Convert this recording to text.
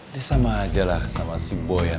dia sama aja lah sama si boy anak motor itu ya kan